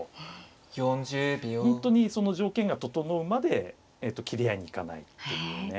本当にその条件が整うまで斬り合いに行かないっていうね。